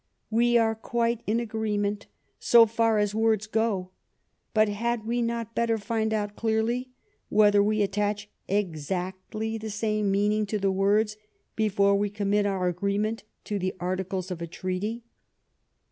" We are quite in agreement so far as words go, but had we not better find out clearly whether we attach exactly the same meaning to the words, before we commit our agreement to the articles of a treaty?"